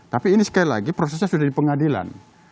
tapi ini sekali lagi prosesnya sudah di pengadilan